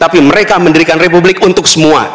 tapi mereka mendirikan republik untuk semua